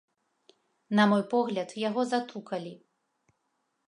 На мой погляд, яго затукалі.